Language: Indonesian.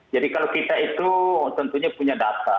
jadi kalau kita itu tentunya punya data